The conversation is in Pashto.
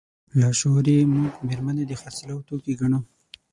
لاشعوري موږ مېرمنې د خرڅلاو توکي ګڼو.